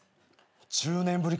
１０年ぶりかな。